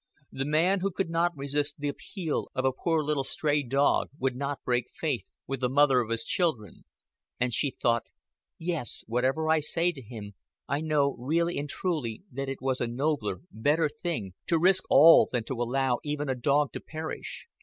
The man who could not resist the appeal of a poor little stray dog would not break faith with the mother of his children; and she thought, "Yes, whatever I say to him, I know really and truly that it was a nobler, better thing to risk all than to allow even a dog to perish.